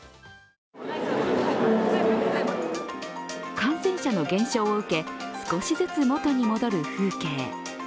感染者の減少を受け、少しずつもとに戻る風景。